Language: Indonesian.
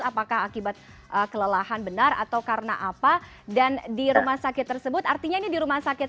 apakah akibat kelelahan benar atau karena apa dan di rumah sakit tersebut artinya ini di rumah sakit